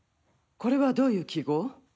これはどういう記号？